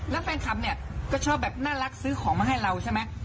แล้วแฟนคลับเนี่ยก็ชอบแบบน่ารักซื้อของมาให้เราใช่ไหม